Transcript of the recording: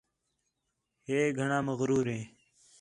ہِے گھݨاں مغرور ہِے